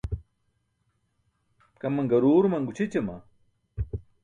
Kaman garuuruman gućʰićama?